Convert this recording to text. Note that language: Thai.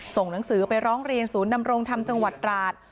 ส่งหนังสือไปร้องเรียนศูนย์ดำรงธรรมจังหวัดตราด